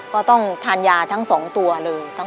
ก็ต้องทานยาทั้ง๒ตัวเลย